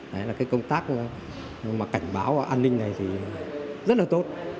đấy là cái công tác mà cảnh báo và an ninh này thì rất là tốt